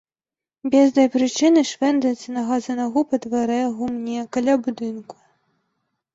Без дай прычыны швэндаецца нага за нагу па дварэ, гумне, каля будынку.